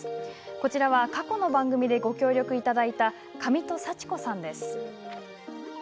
こちらは、過去の番組でご協力いただいた上戸幸子さんです。